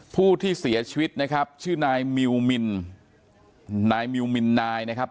ผู้ที่เสียชีวิตนะครับชื่อนายมิวมินนายมิวมินนายนะครับ